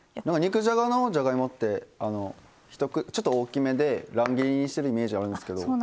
なんか肉じゃがのじゃがいもってちょっと大きめで乱切りにしてるイメージあるんですけど。